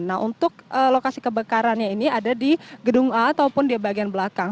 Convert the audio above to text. nah untuk lokasi kebakarannya ini ada di gedung a ataupun di bagian belakang